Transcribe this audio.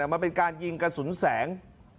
มันเป็นการยิงกระสุนแสง